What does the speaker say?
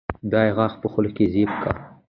دا يې غاښ په خوله کې زېب کا